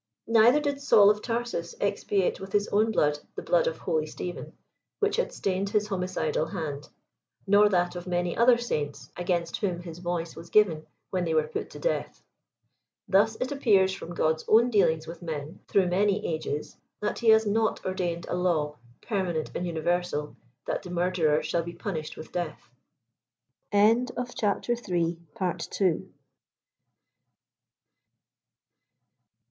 Neither did Saul of Tarsus expiate with his own blood, the blood of holy Stephen, which had stained his homicidal hand, nor that of many other saints against whom his voice was gi^en when they were put to death. Thus it appears from God's own dealings with men^ through many ages, that be has not ordaihed a law, permanent and universal, that the murderer shall be punished with death* THE TEXT NOT NOW A LAW, IF EVER. If the